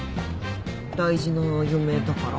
大事な嫁だから？